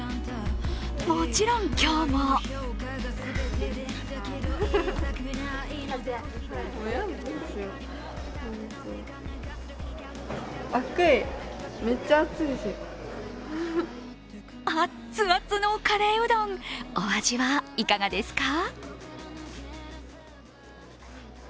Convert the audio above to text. もちろん、今日も熱々のカレーうどん、お味はいかがですか？